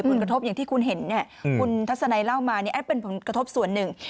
ผลกระทบอย่างที่คุณเห็นคุณทัศนัยเล่ามาเป็นผลกระทบส่วนหนึ่ง